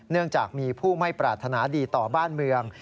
เนื่องจากมีผู้ไม่ปรารถนาดีต่อบ้านเมือง